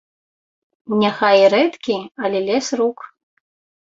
Няхай і рэдкі, але лес рук.